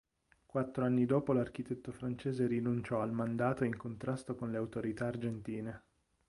Quattro anni dopo l'architetto francese rinunciò al mandato in contrasto con le autorità argentine.